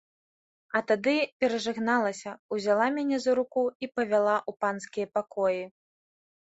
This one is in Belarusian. А тады перажагналася, узяла мяне за руку і павяла ў панскія пакоі.